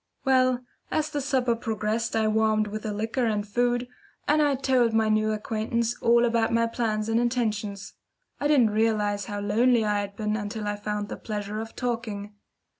Well, as the supper progressed I warmed with the liquor and the food, and I told my new acquaintance all about my plans and intentions. I didn't realise how lonely I had been until I found the pleasure of talking.